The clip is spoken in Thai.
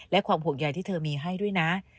และความห่วงใยที่เธอมีให้ด้วยนะ